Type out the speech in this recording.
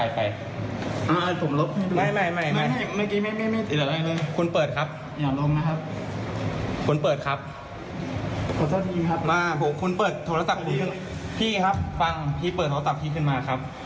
พี่ครับฟังพี่เปิดโทษธรรมคนนี้คืนมาครับ